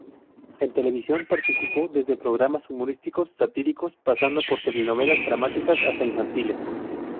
En televisión participó desde programas humorísticos-satíricos, pasando por telenovelas dramáticas hasta infantiles.